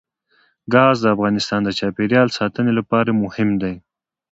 ګاز د افغانستان د چاپیریال ساتنې لپاره مهم دي.